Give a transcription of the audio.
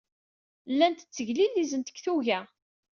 Llant tteglilizent deg tuga.